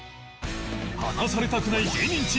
離されたくない芸人チーム